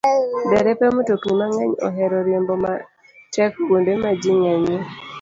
Derepe mtokni mang'eny ohero riembo matek kuonde ma ji ng'enyie.